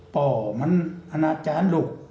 พ่อมันอนาจารย์ลูก